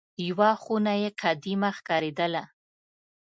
یوه خونه یې قدیمه ښکارېدله.